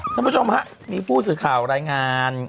ท่านผู้ชมฮะมีผู้สื่อข่าวรายงาน